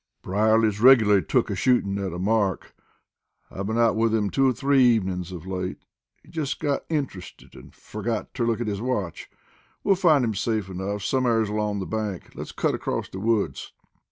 Brierly's regularly took with ashootin' at a mark. I've been out with him two or three evenin's of late. He's just got int'rusted, and forgot ter look at his watch. We'll find him safe enough som'e'res along the bank; let's cut across the woods."